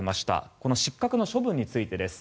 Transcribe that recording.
この失格の処分についてです。